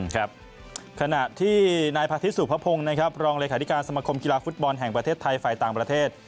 ขณะที่นายพาทิตยสุภพงศ์นะครับรองเลขาธิการสมคมกีฬาฟุตบอลแห่งประเทศไทยฝ่ายต่างประเทศ